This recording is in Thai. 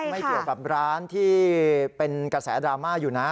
ไม่เกี่ยวกับร้านที่เป็นกระแสดราม่าอยู่นะ